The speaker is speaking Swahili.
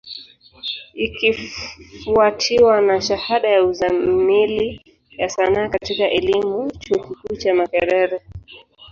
Ikifwatiwa na shahada ya Uzamili ya Sanaa katika elimu, chuo kikuu cha Makerere.